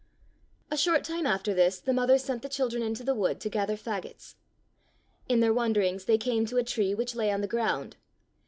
A short time after this the mother sent the children into the wood to gather fagots. In their wanderings they came to a tree which lay on the ground.